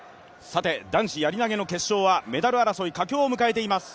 男子やり投の決勝は、メダル争い、佳境を迎えています。